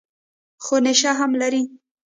خو نېشه هم لري.